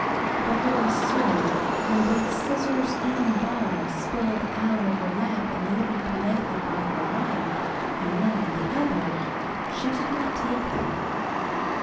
But very soon when both scissors and ball spilled out of her lap and Libby politely brought her one and Will'm the other, she did not take them.